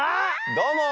どうも。